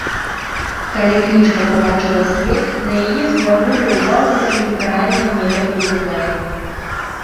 Калі кніжка пабачыла свет, на яе звярнулі ўвагу літаральна некалькі выданняў.